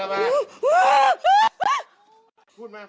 เป็นผู้ชายหรือผู้หญิง